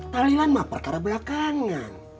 halilan mah perkara belakangan